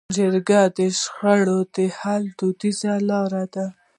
جرګه د شخړو د حل دودیزه لار ده.